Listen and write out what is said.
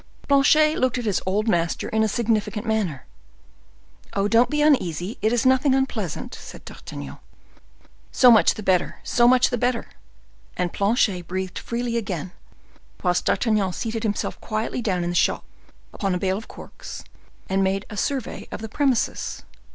Planchet looked at his old master in a significant manner. "Oh, don't be uneasy, it is nothing unpleasant," said D'Artagnan. "So much the better—so much the better!" And Planchet breathed freely again, whilst D'Artagnan seated himself quietly down in the shop, upon a bale of corks, and made a survey of the premises.